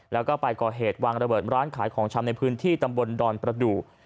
แล้วก็ไปก่อเหตุวางระเบิดร้านขายของชำในพื้นที่ตำบลดอนประดูก